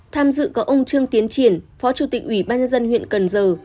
tham dự có ông trương tiến triển phó chủ tịch ủy ban nhân dân huyện cần giờ